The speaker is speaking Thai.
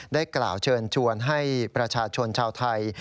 ได้กล่าวเชิญชวนให้ประชาชนชาวไทย